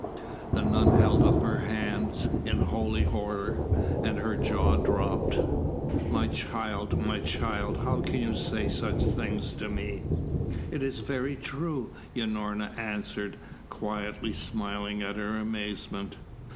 The nun held up her hands in holy horror, and her jaw dropped. "My child! My child! How can you say such things to me!" "It is very true," Unorna answered, quietly smiling at her amazement.